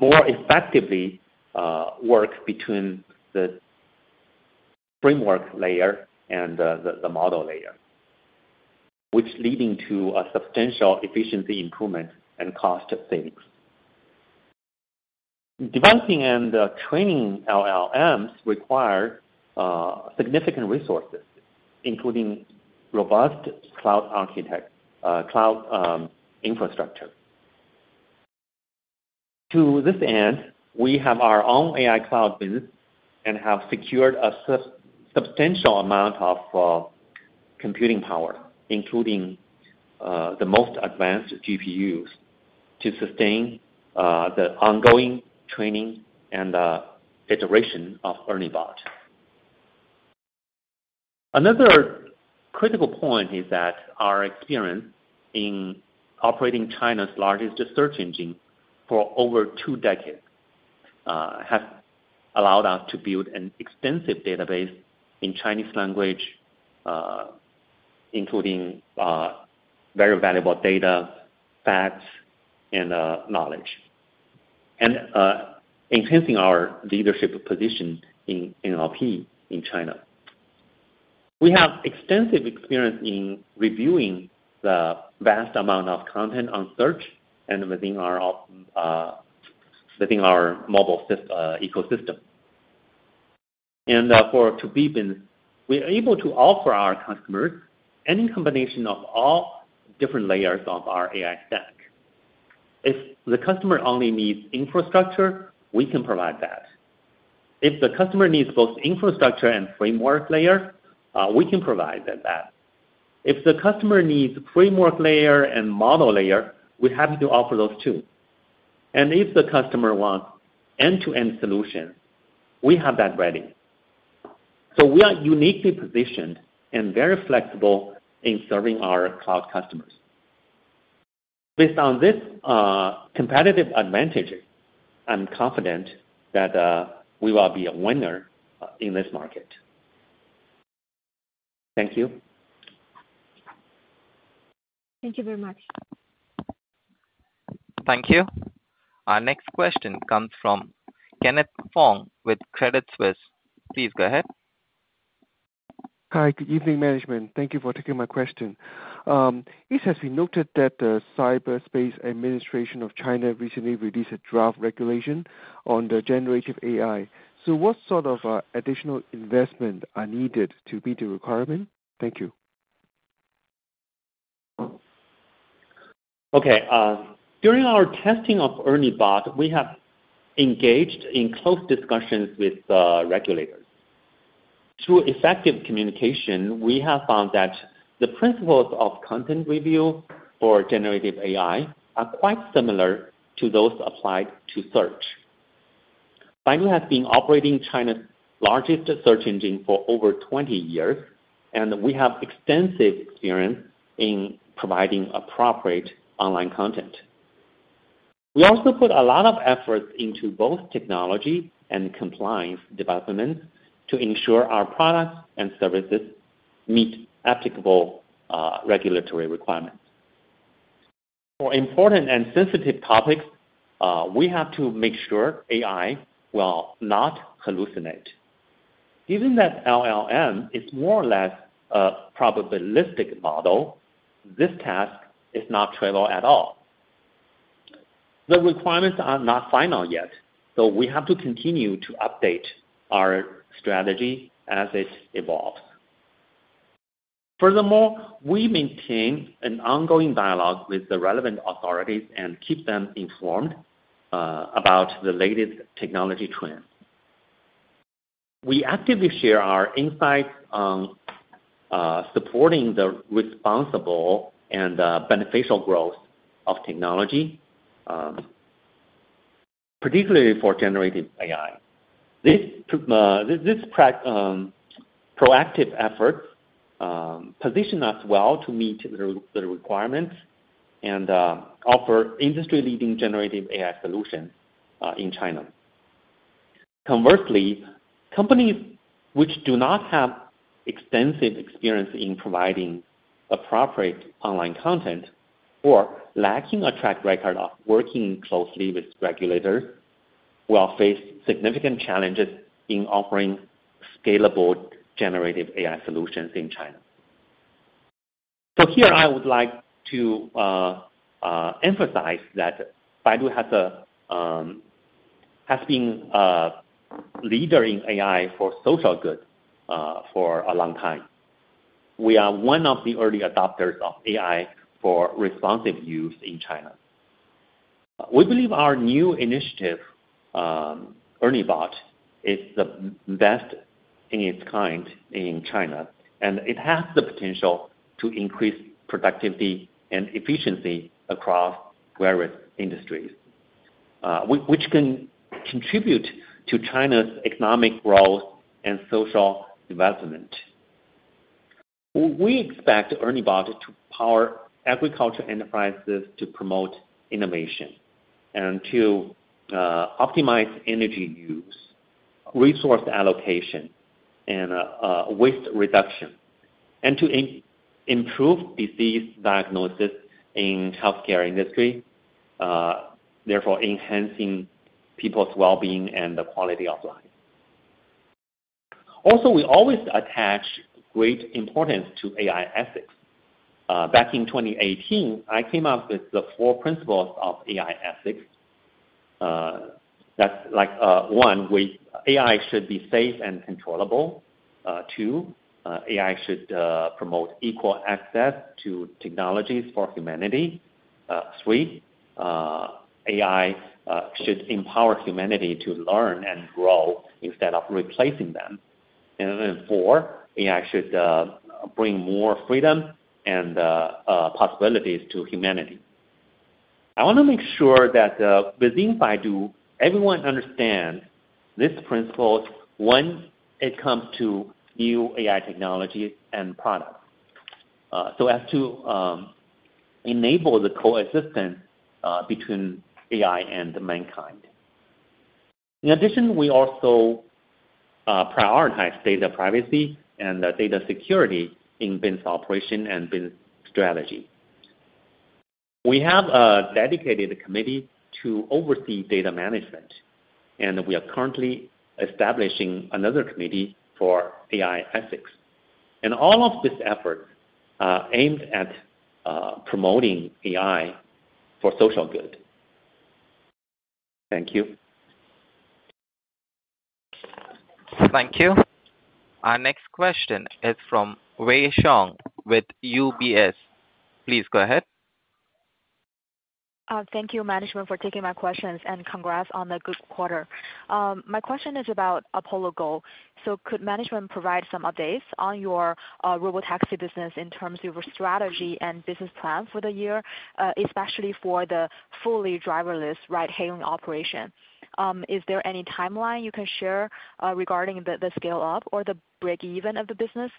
more effectively work between the framework layer and the model layer, which leading to a substantial efficiency improvement and cost savings. Developing training LLMs require significant resources, including robust cloud infrastructure. To this end, we have our own AI cloud business and have secured a substantial amount of computing power, including the most advanced GPUs, to sustain the ongoing training and iteration of ERNIE Bot. Another critical point is that our experience in operating China's largest search engine for over two decades has allowed us to build an extensive database in Chinese language, including very valuable data, facts and knowledge, and enhancing our leadership position in NLP in China. We have extensive experience in reviewing the vast amount of content on search and within our mobile ecosystem. For to 2B business, we are able to offer our customers any combination of all different layers of our AI stack. If the customer only needs infrastructure, we can provide that. If the customer needs both infrastructure and framework layer, we can provide that. If the customer needs framework layer and model layer, we're happy to offer those too. If the customer wants end-to-end solution, we have that ready. We are uniquely positioned and very flexible in serving our cloud customers. Based on this competitive advantage, I'm confident that we will be a winner in this market. Thank you. Thank you very much. Thank you. Our next question comes from Kenneth Fong with Credit Suisse. Please go ahead. Hi, good evening, management. Thank You for taking my question. It has been noted that the Cyberspace Administration of China recently released a draft regulation on the generative AI. What sort of additional investment are needed to meet the requirement? Thank you. Okay. During our testing of ERNIE Bot, we have engaged in close discussions with the regulators. Through effective communication, we have found that the principles of content review for generative AI are quite similar to those applied to search. Baidu has been operating China's largest search engine for over 20 years. We have extensive experience in providing appropriate online content. We also put a lot of effort into both technology and compliance development to ensure our products and services meet applicable regulatory requirements. For important and sensitive topics, we have to make sure AI will not hallucinate. Given that LLM is more or less a probabilistic model, this task is not trivial at all. The requirements are not final yet. We have to continue to update our strategy as it evolves. Furthermore, we maintain an ongoing dialogue with the relevant authorities and keep them informed about the latest technology trends. We actively share our insights on supporting the responsible and beneficial growth of technology, particularly for generative AI. This proactive effort position us well to meet the requirements and offer industry-leading generative AI solutions in China. Conversely, companies which do not have extensive experience in providing appropriate online content or lacking a track record of working closely with regulators will face significant challenges in offering scalable generative AI solutions in China. Here I would like to emphasize that Baidu has been a leader in AI for social good for a long time. We are one of the early adopters of AI for responsive use in China. We believe our new initiative, ERNIE Bot, is the best in its kind in China, and it has the potential to increase productivity and efficiency across various industries, which can contribute to China's economic growth and social development. We expect ERNIE Bot to power agriculture enterprises to promote innovation and to optimize energy use, resource allocation, and waste reduction. To improve disease diagnosis in healthcare industry, therefore enhancing people's wellbeing and the quality of life. We always attach great importance to AI ethics. Back in 2018, I came up with the four principles of AI ethics, that's like, one, AI should be safe and controllable. Two, AI should promote equal access to technologies for humanity. Three, AI should empower humanity to learn and grow instead of replacing them. Then four, AI should bring more freedom and possibilities to humanity. I wanna make sure that within Baidu, everyone understand these principles when it comes to new AI technologies and products, so as to enable the coexistence between AI and mankind. In addition, we also prioritize data privacy and data security in business operation and business strategy. We have a dedicated committee to oversee data management, and we are currently establishing another committee for AI ethics. All of this effort aims at promoting AI for social good. Thank you. Thank you. Our next question is from Wei Xiong with UBS. Please go ahead. Thank you management for taking my questions, and congrats on the good quarter. My question is about Apollo Go. Could management provide some updates on your robotaxi business in terms of your strategy and business plan for the year, especially for the fully driverless ride hailing operation? Is there any timeline you can share regarding the scale-up or the break even of the business?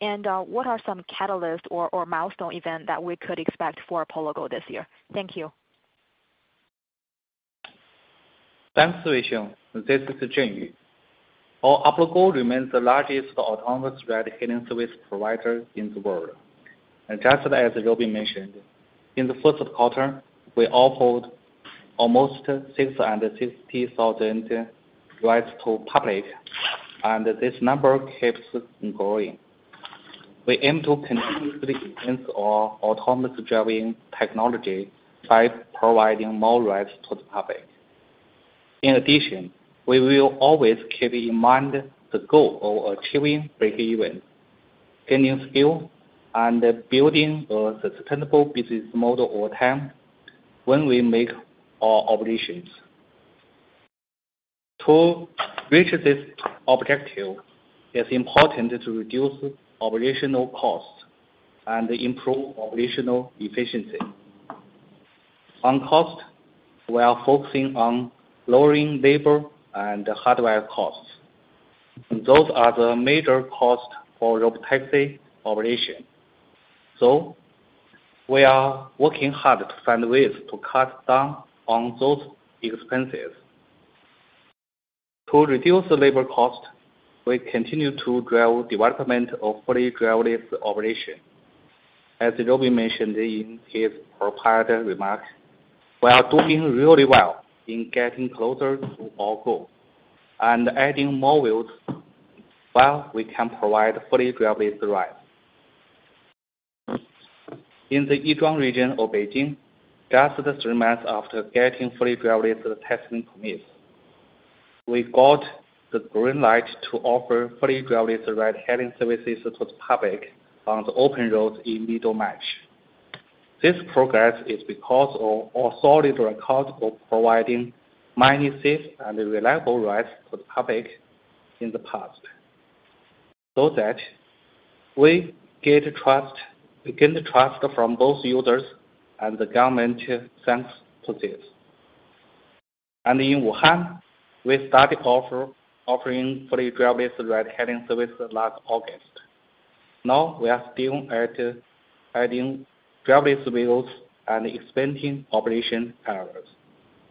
What are some catalyst or milestone event that we could expect for Apollo Go this year? Thank you. Thanks, Wei Xiong. This is Zhenyu. Our Apollo Go remains the largest autonomous ride-hailing service provider in the world. Just as Robin mentioned, in the first quarter, we offered almost 660,000 rides to public, and this number keeps growing. We aim to continuously enhance our autonomous driving technology by providing more rides to the public. In addition, we will always keep in mind the goal of achieving break-even, gaining scale, and building a sustainable business model over time when we make our operations. To reach this objective, it's important to reduce operational costs and improve operational efficiency. On cost, we are focusing on lowering labor and hardware costs. Those are the major cost for robotaxi operation. We are working hard to find ways to cut down on those expenses. To reduce the labor cost, we continue to drive development of fully driverless operation. As Robin mentioned in his prepared remarks, we are doing really well in getting closer to our goal and adding more wheels where we can provide fully driverless ride. In the Yizhuang region of Beijing, just three months after getting fully driverless testing permits, we got the green light to offer fully driverless ride-hailing services to the public on the open roads in middle March. This progress is because of our solid record of providing many safe and reliable rides to the public in the past. We gain trust from both users and the government, thanks to this. In Wuhan, we started offering fully driverless ride-hailing service last August. Now we are still at adding driverless wheels and expanding operation areas.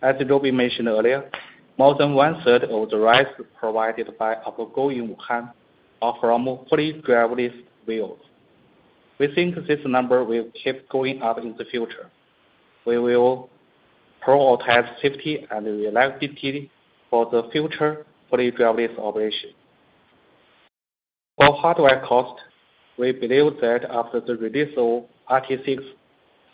As Robin mentioned earlier, more than 1/3 of the rides provided by Apollo Go in Wuhan are from fully driverless vehicles. We think this number will keep going up in the future. We will prioritize safety and reliability for the future fully driverless operation. For hardware cost, we believe that after the release of RT6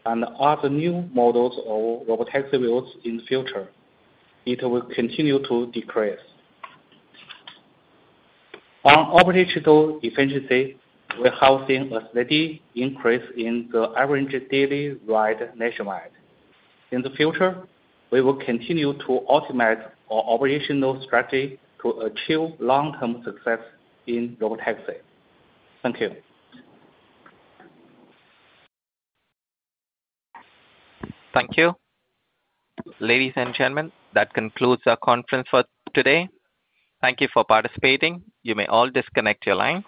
and other new models of robotaxi wheels in the future, it will continue to decrease. On operational efficiency, we have seen a steady increase in the average daily ride nationwide. In the future, we will continue to optimize our operational strategy to achieve long-term success in robotaxi. Thank you. Thank you. Ladies and gentlemen, that concludes our conference for today. Thank you for participating. You may all disconnect your line.